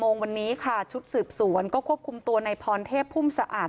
โมงวันนี้ค่ะชุดสืบสวนก็ควบคุมตัวในพรเทพพุ่มสะอาด